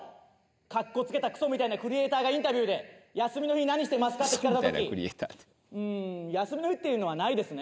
かっこつけたクソみたいなクリエーターがインタビューで「休みの日何してますか？」って聞かれた時「うん休みの日っていうのはないですね。